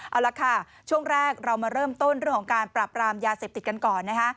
เอาละค่ะช่วงแรกเรามาเริ่มต้นเรื่องของการปรับรามยาเสพติดกันก่อนนะคะ